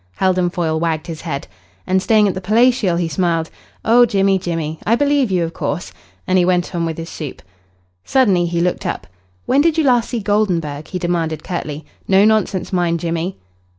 Heldon Foyle wagged his head. "And staying at the Palatial," he smiled. "Oh, Jimmy, Jimmy! I believe you, of course." And he went on with his soup. Suddenly he looked up. "When did you last see Goldenburg?" he demanded curtly. "No nonsense, mind, Jimmy."